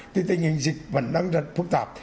thì tình hình dịch vẫn đang rất phức tạp